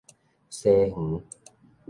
西園